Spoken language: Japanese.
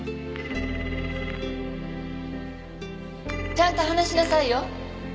ちゃんと話しなさいよ。